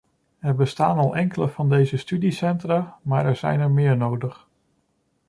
Er bestaan al enkele van deze studiecentra, maar er zijn er meer nodig.